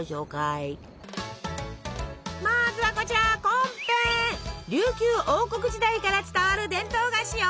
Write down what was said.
まずはこちら琉球王国時代から伝わる伝統菓子よ。